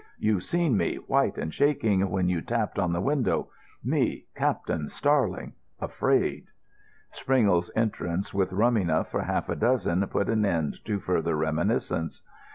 You've seen me, white and shaking, when you tapped on the window: me—Captain Starling—afraid." Springle's entrance with rum enough for half a dozen put an end to further reminiscence.